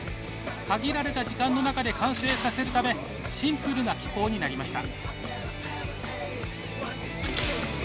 限られた時間の中で完成させるためシンプルな機構になりました。